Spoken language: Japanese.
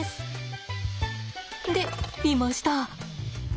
でいました。